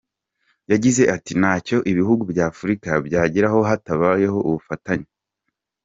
Yagize ati "Ntacyo ibihugu by’Afurika byageraho hatabayeho ubufatanye.